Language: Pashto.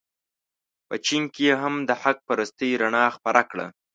په چین کې یې هم د حق پرستۍ رڼا خپره کړه.